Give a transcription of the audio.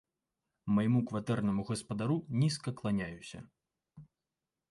Майму кватэрнаму гаспадару нізка кланяюся!